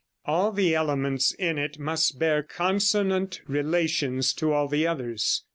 All the elements in it must bear consonant relations to all the others.